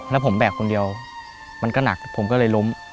แล้วผมแบกคนเดียวมันก็หนักผมก็เลยล้ม